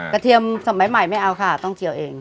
เทียมสมัยใหม่ไม่เอาค่ะต้องเจียวเอง